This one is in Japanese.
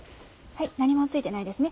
何も付いてないですね